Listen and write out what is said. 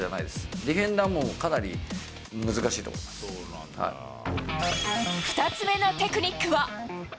ディフェンダーはもう、かなり難２つ目のテクニックは。